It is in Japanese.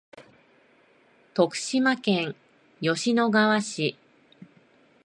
徳島県吉野川市